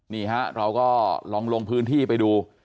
นี่ฮะเราก็ลองลงพื้นที่ไปดู